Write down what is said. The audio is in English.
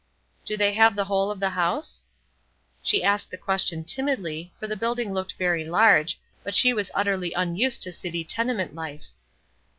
"Do they have the whole of the house?" She asked the question timidly, for the building looked very large, but she was utterly unused to city tenement life.